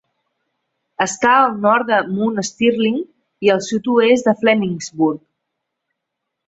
Està al nord de Mount Sterling i al sud-oest de Flemingsburg.